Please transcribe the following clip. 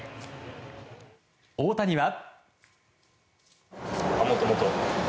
大谷は。